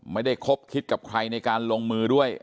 คบคิดกับใครในการลงมือด้วย